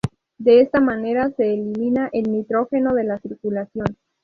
De esta manera se elimina el nitrógeno de la circulación.